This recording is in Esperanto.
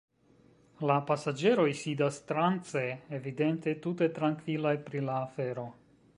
La pasaĝeroj sidas trance, evidente tute trankvilaj pri la afero.